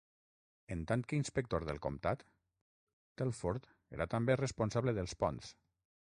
En tant que inspector del comtat, Telford era també responsable dels ponts.